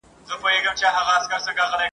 ژمی د خوار او غریب زیان دئ !.